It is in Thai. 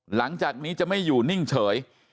หลังจากนี้จะไม่อยู่นิ่งเฉย